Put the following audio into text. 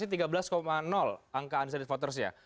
smrc tiga belas angka undecided votersnya